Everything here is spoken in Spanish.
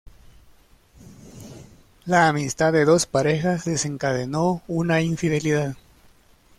La amistad de dos parejas desencadenó una infidelidad...